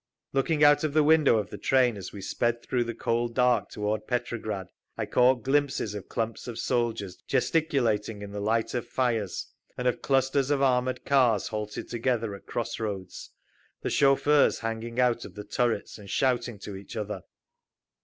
Looking out of the window of the train as we sped through the cold dark toward Petrograd, I caught glimpses of clumps of soldiers gesticulating in the light of fires, and of clusters of armoured cars halted together at cross roads, the chauffeurs hanging out of the turrets and shouting to each other….